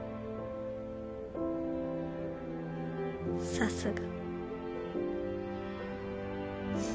さすが。